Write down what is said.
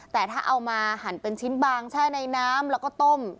แต่ถ้าเอามาหั่นเป็นชิ้นบางแช่ในน้ำแล้วก็ต้ม